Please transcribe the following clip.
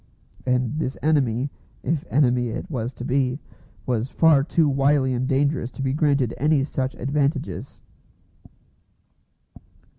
And this enemy, if enemy it was to be, was far too wily and dangerous to be granted any such advantages.